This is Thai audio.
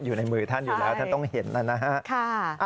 อยู่แล้วท่านต้องเห็นแล้วนะฮะ